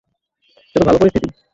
এটা তো ভালো পরিস্থিতি।